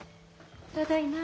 ただいま。